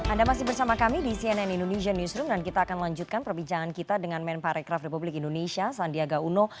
anda masih bersama kami di cnn indonesia newsroom dan kita akan lanjutkan perbincangan kita dengan men parekraf republik indonesia sandiaga uno